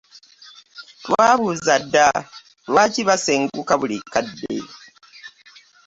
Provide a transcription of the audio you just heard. Twababuuza dda lwaki basenguka buli kadde.